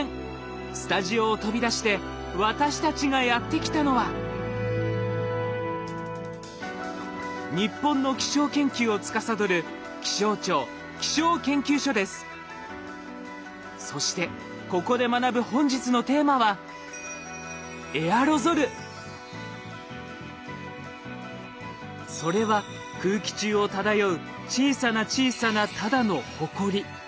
スタジオを飛び出して私たちがやって来たのは日本の気象研究をつかさどるそしてここで学ぶ本日のテーマはそれは空気中を漂う小さな小さなただのほこり。